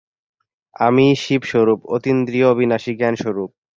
আমরাই শিবস্বরূপ, অতীন্দ্রিয়, অবিনাশী জ্ঞানস্বরূপ।